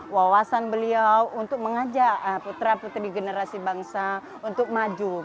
wawasan beliau untuk mengajak putra putri generasi bangsa untuk maju